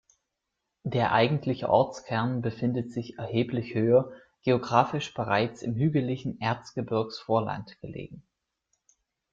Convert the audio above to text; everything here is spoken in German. Der eigentliche Ortskern befindet sich erheblich höher, geografisch bereits im hügeligen Erzgebirgsvorland gelegen.